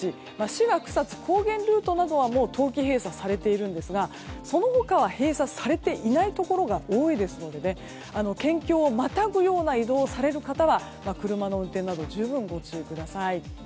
志賀草津高原ルートなどはもう、冬季閉鎖されていますがその他は閉鎖されていないところが多いですので県境をまたぐような移動をされる方は車の運転など十分ご注意ください。